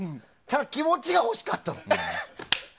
ただ、気持ちが欲しかった。